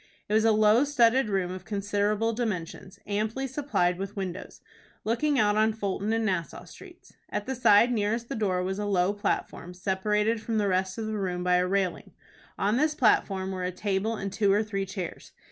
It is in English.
It was a low studded room of considerable dimensions, amply supplied with windows, looking out on Fulton and Nassau Streets. At the side nearest the door was a low platform, separated from the rest of the room by a railing. On this platform were a table and two or three chairs.